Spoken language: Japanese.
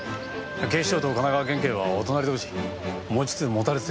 警視庁と神奈川県警はお隣同士持ちつ持たれつですから。